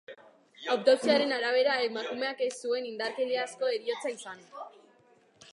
Autopsiaren arabera, emakumeak ez zuen indarkeriazko heriotza izan.